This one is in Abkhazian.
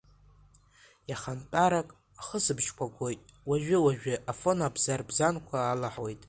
Иахантәарак ахысыбжьқәа гоит, уажәы-уажәы Афон абзарбзанқәа алаҳауеит.